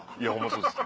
そうです。